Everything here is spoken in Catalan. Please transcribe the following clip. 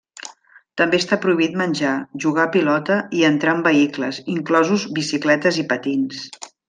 També està prohibit menjar, jugar a pilota i entrar amb vehicles, incloses bicicletes i patins.